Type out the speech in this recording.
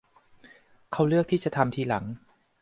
เขาเลือกที่จะทำทีหลัง